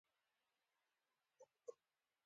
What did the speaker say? زه یوې بلې سیمې ته ورسیدم.